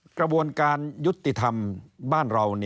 กระบวนการยุติธรรมบ้านเรา